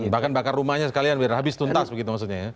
bahkan bakar rumahnya sekalian biar habis tuntas begitu maksudnya ya